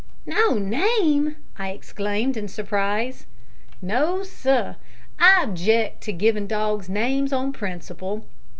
"No name!" I exclaimed, in surprise. "No, sir; I object to givin' dogs names on principle.